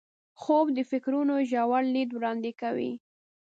خوب د فکرونو ژور لید وړاندې کوي